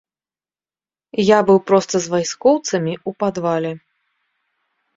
Я быў проста з вайскоўцамі ў падвале.